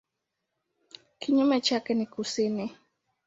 Kinyume chake ni kusini.